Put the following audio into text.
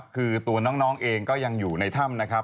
คือตัวน้องเองก็ยังอยู่ในถ้ำนะครับ